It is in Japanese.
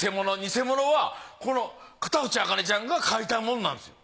偽物はこの片渕茜ちゃんが描いたもんなんですよ。